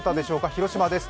広島です。